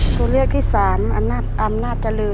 ตัวเลือกที่๓อำนาจเจริญ